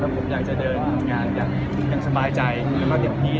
แล้วผมอยากจะเดินอย่างสบายใจอย่างมากอย่างพี่